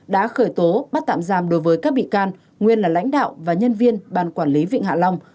đã khởi tố bắt tạm giam đối với các bị can nguyên là lãnh đạo và nhân viên ban quản lý vịnh hạ long